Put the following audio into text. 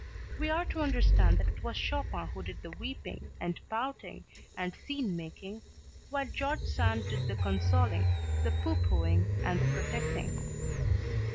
We are to understand that it was Chopin who did the weeping, and pouting, and "scene" making while George Sand did the consoling, the pooh poohing, and the protecting.